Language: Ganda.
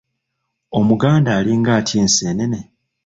Omuganda alinga atya enseenene?